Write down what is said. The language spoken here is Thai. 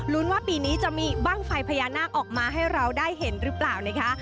ว่าปีนี้จะมีบ้างไฟพญานาคออกมาให้เราได้เห็นหรือเปล่านะคะ